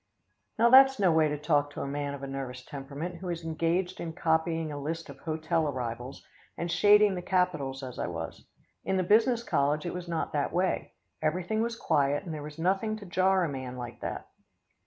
"Now that's no way to talk to a man of a nervous temperament who is engaged in copying a list of hotel arrivals, and shading the capitals as I was. In the business college it was not that way. Everything was quiet, and there was nothing to jar a man like that.